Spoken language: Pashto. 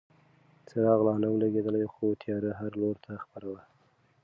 څراغ لا نه و لګېدلی خو تیاره هر لوري ته خپره وه.